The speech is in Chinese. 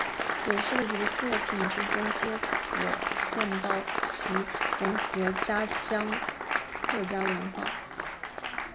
刘氏的许多作品之中皆可见到其融合家乡客家文化与自然风采于其中。